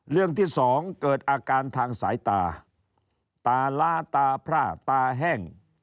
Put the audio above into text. เรื่องที่สองเกิดอาการทางสายตาตาล้าตาพร่าตาแห้ง